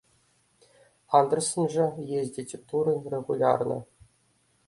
Андэрсан жа ездзіць у туры рэгулярна.